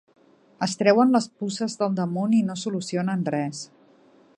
Es treuen les puces del damunt i no solucionen res.